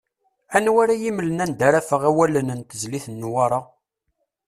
Anwa ara yi-mmlen anda ara afeɣ awalen n tezlit n Newwaṛa?